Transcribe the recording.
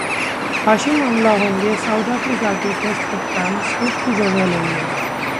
Hashim Amla होंगे South Africa के test कप्तान, स्मिथ की जगह लेंगे